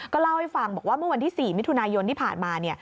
เล่าให้ฟังบอกว่าเมื่อวันที่๔มิถุนายนที่ผ่านมา